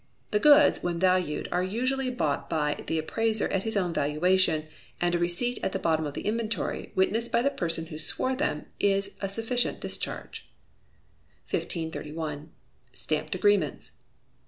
The goods, when valued, are usually bought by the appraiser at his own valuation, and a receipt at the bottom of the inventory, witnessed by the person who swore them, is a sufficient discharge. 1531. Stamped Agreements.